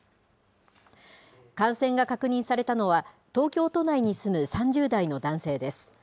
感染が確認されたのは、東京都内に住む３０代の男性です。